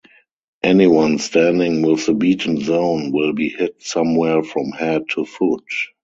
Anyone standing within the beaten zone will be hit somewhere from head to foot.